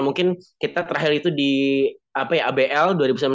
mungkin kita terakhir itu di abl dua ribu sembilan belas